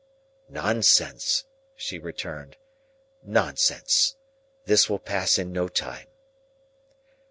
"Nonsense," she returned,—"nonsense. This will pass in no time."